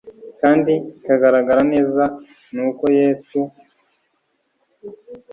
kandi ikigaragara neza ni uko yesu